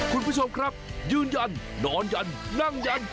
คุณผู้ชมครับยืนยันนอนยันนั่งยัน